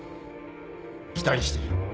期待している。